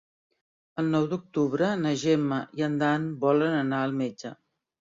El nou d'octubre na Gemma i en Dan volen anar al metge.